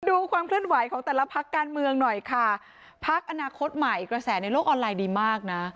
ดูความเคลื่อนไหวของแต่ละพักการเมืองหน่อยค่ะพักอนาคตใหม่กระแสในโลกออนไลน์ดีมากนะ